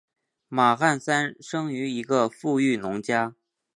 马汉三生于一个富裕农家。